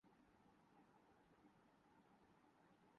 اس جمود کو توڑا ہے۔